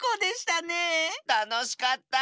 たのしかった。